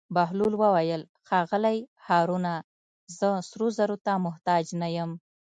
بهلول وویل: ښاغلی هارونه زه سرو زرو ته محتاج نه یم.